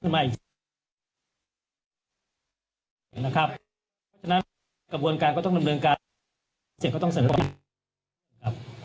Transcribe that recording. ใหม่นะครับฉะนั้นกระบวนการก็ต้องดำเนินการเสร็จก็ต้องเสริม